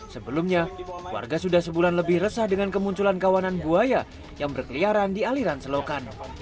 sebelumnya warga sudah sebulan lebih resah dengan kemunculan kawanan buaya yang berkeliaran di aliran selokan